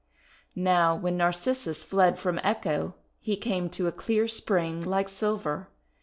Now, when Narcissus fled from Echo, he came to a clear spring, like silver.